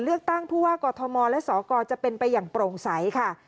เลือกตั้งผู้ว่ากอทมและสกจะเป็นไปอย่างโปร่งใสค่ะ